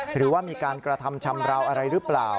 หรือว่ามีการกระทำชำราวอะไรหรือเปล่า